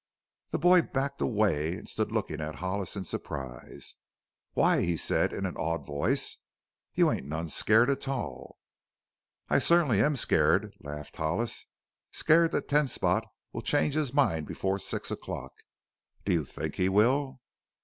The boy backed away and stood looking at Hollis in surprise. "Why!" he said in an awed voice, "you ain't none scared a tall!" "I certainly am scared," laughed Hollis; "scared that Ten Spot will change his mind before six o'clock. Do you think he will?"